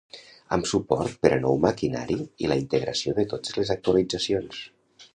Amb suport per a nou maquinari i la integració de totes les actualitzacions